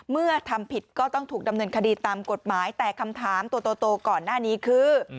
เมื่อทำผิดก็ต้องถูกดำเนินคดีตามกฎหมายแต่คำถามตัวโตก่อนหน้านี้คือ